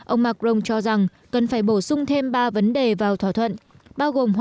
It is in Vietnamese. ông macron cho rằng cần phải bổ sung thêm ba vấn đề vào thỏa thuận